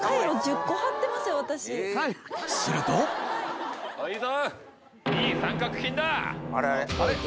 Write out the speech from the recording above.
すると・いいぞ！